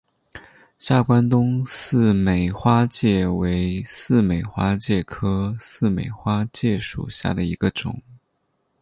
下关东似美花介为似美花介科似美花介属下的一个种。